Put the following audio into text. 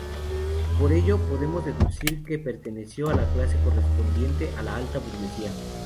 Por ello podemos deducir que perteneció a una clase correspondiente a la alta burguesía.